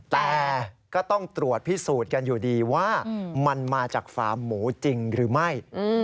แต่ก็ต้องตรวจพิสูจน์กันอยู่ดีว่ามันมาจากฟาร์มหมูจริงหรือไม่